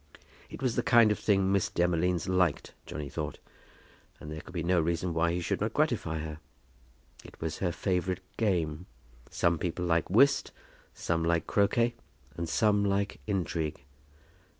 It was the kind of thing Miss Demolines liked, Johnny thought; and there could be no reason why he should not gratify her. It was her favourite game. Some people like whist, some like croquet, and some like intrigue.